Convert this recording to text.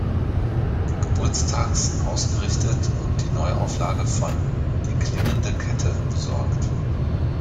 Geburtstags ausgerichtet und die Neuauflage von "Die klingende Kette" besorgt.